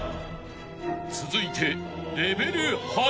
［続いて］